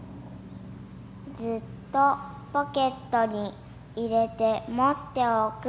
ずっとポケットに入れてもっておく。